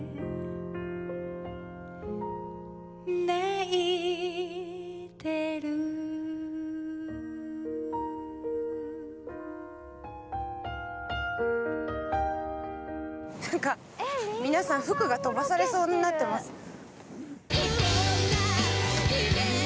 何か皆さん服が飛ばされそうになってます。